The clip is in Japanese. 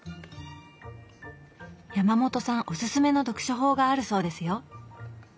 山本さんおすすめの読書法があるそうですよ！